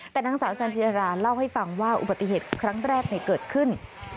แต่นางสาวจันจิราเล่าให้ฟังว่าอุบัติเหตุครั้งแรกเกิดขึ้น